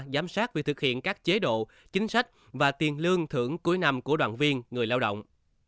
giám sát việc thực hiện các chế độ chính sách và tiền lương thưởng cuối năm của đoàn viên người lao động